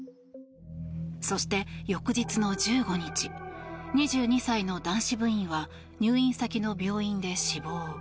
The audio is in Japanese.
そして、翌日の１５日２２歳の男子部員は入院先の病院で死亡。